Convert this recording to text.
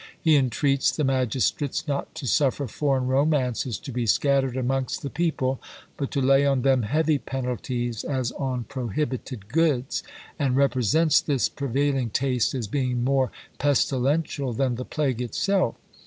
He entreats the magistrates not to suffer foreign romances to be scattered amongst the people, but to lay on them heavy penalties, as on prohibited goods; and represents this prevailing taste as being more pestilential than the plague itself.